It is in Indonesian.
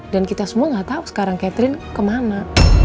dan kita semua gak tau sekarang catherine kemana